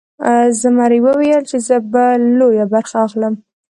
زمري ویل چې زه به لویه برخه اخلم.